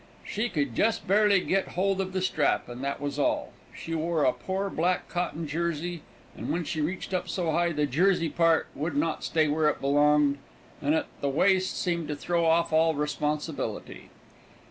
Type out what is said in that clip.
She could just barely get hold of the strap, and that was all. She wore a poor, black cotton jersey, and when she reached up so high, the jersey part would not stay where it belonged, and at the waist seemed to throw off all responsibility.